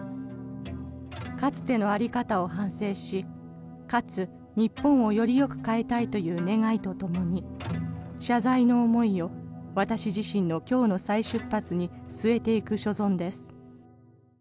かつての在り方を反省しかつ、日本をよりよく変えたいという願いとともに謝罪の思いを私自身の今日の再出発に据えていく所存です。